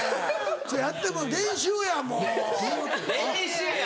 やって練習やもう。